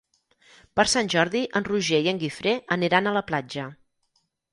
Per Sant Jordi en Roger i en Guifré aniran a la platja.